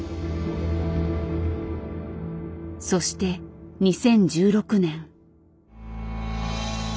そして２０１６年。